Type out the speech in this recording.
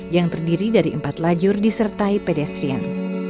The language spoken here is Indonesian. yang terdiri dari empat lajur disertai pedestrian